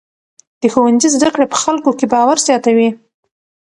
د ښوونځي زده کړې په خلکو کې باور زیاتوي.